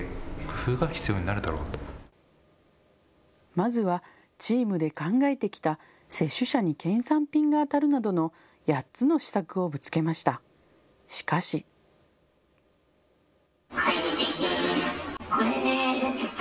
まずはチームで考えてきた接種者に県産品が当たるなどの８つの施策をぶつけました。